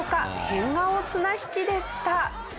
変顔綱引きでした。